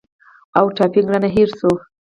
او ټایپینګ رانه هېر شوی